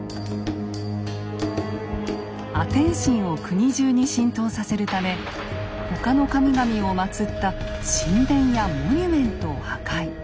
アテン神を国中に浸透させるため他の神々をまつった神殿やモニュメントを破壊。